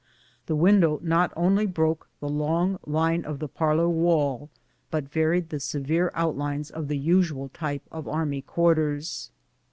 The window not only broke the long line of the parlor wall, but varied the severe outlines of tlie usual type of army quarters.